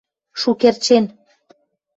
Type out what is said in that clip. Шукердшен.